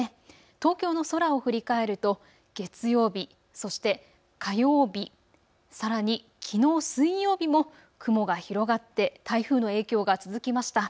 東京の空を振り返ると月曜日、そして火曜日、さらにきのう水曜日も雲が広がって台風の影響が続きました。